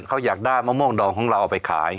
เขาอยากได้มะม่วงดองของเราเอาไปขาย